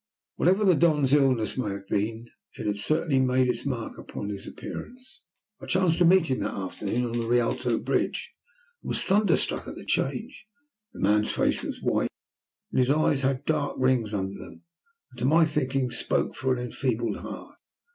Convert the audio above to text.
Whatever the Don's illness may have been, it certainly had made its mark upon his appearance. I chanced to meet him that afternoon on the Rialto bridge, and was thunderstruck at the change. The man's face was white, and his eyes had dark rings under them, that to my thinking spoke for an enfeebled heart.